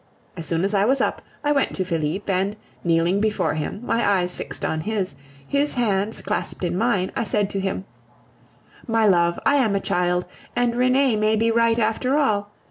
As soon as I was up, I went to Felipe, and, kneeling before him, my eyes fixed on his, his hands clasped in mine, I said to him: "My love, I am a child, and Renee may be right after all.